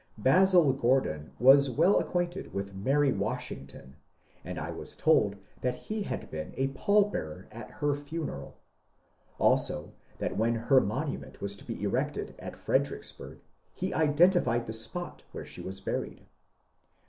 Basil Gordon was weU acquainted with Mary Washington, and I was told that he had been a pallbearer at her funeral ; also that when her monument was to be erected at Freder 14 MONCURE DANIEL CONWAY icksburg he identified the spot where she was buried.